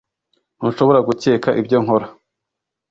ntushobora gukeka ibyo nkora